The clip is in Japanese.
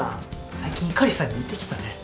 最近碇さんに似てきたね。